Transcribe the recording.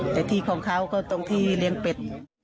แต่ที่ของเขาก็ตรงที่เลี้ยงเป็ด